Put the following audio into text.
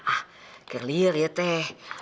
ah kelir ya teh